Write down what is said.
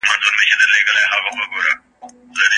هغه د څراغ په لګولو سره د تیارې واکمني ختمه کړه.